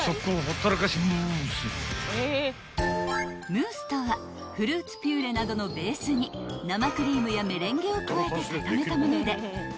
［ムースとはフルーツピューレなどのベースに生クリームやメレンゲを加えて固めたもので揃える